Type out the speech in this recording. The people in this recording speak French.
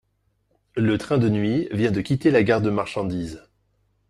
Le train de nuit vient de quitter la gare de marchandise